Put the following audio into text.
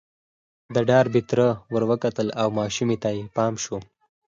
د ډاربي تره ور وکتل او ماشومې ته يې پام شو.